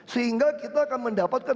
sehingga kita akan mendapatkan